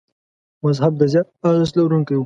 مذهب د زیات ارزښت لرونکي و.